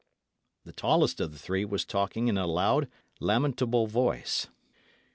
The tallest of the three was talking in a loud, lamentable voice.